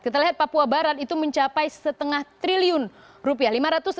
kita lihat papua barat itu mencapai setengah triliun rupiah